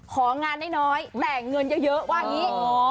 ของานน้อยแบ่งเงินเยอะว่าอย่างนี้